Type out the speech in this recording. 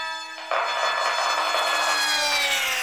ტერმინი ხანდახან ითარგმნება როგორც მუნიციპალიტეტი ან რაიონი.